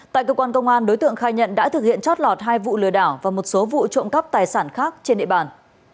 tại cơ quan công an đối tượng khai nhận đã thực hiện chót lọt hai vụ lừa đảo và một số vụ trộm cắp tài sản khác trên địa bàn